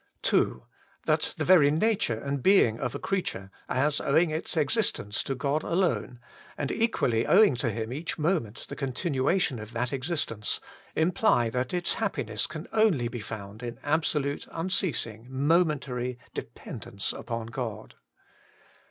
2. That the very Nature and Being of a creature, as owing its existence to Gkd alone, and equally owing to Him each moment the continuation of that existence, imply that its happiness can only be found in absolute unceasing momentary dependence upon God.